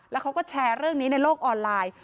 แล้วเขาก็แชร์เรื่องนี้ในโลกออนไลน์